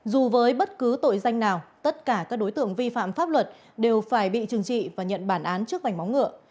dù với bất cứ tội danh nào tất cả các đối tượng vi phạm pháp luật đều phải bị trừng trị và nhận bản án trước vảnh móng ngựa